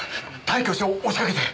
大挙して押しかけて。